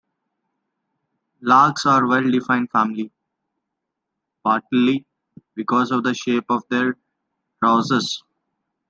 Larks are a well-defined family, partly because of the shape of their tarsus.